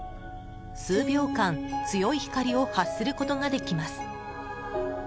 数秒間強い光を発することができます。